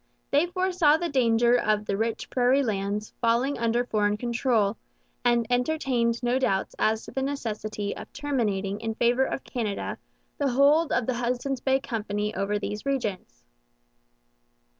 They foresaw the danger of the rich prairie lands falling under foreign control, and entertained no doubts as to the necessity of terminating in favour of Canada the hold of the Hudson's Bay Company over these regions.